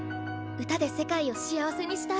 歌で世界を幸せにしたい。